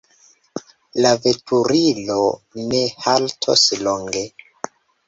La veturilo ne haltos longe.